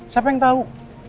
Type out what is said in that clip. siapa yang tau